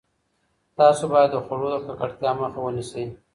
تاسو باید د خوړو د ککړتیا مخه ونیسئ.